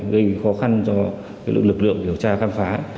gây khó khăn cho lực lượng điều tra khám phá